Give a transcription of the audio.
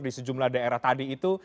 di sejumlah daerah tadi itu